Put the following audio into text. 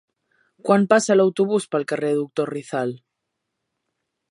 Quan passa l'autobús pel carrer Doctor Rizal?